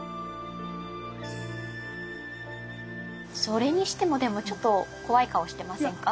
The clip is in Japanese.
それにしてもでもちょっと怖い顔してませんか？